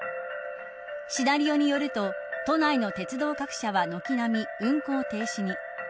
シナリオによると都内の鉄道各社は軒並み運行停止に。